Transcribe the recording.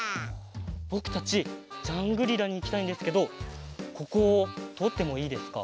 ぼくたちジャングリラにいきたいんですけどここをとおってもいいですか？